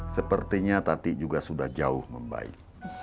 sepertinya tadi juga sudah jauh membaik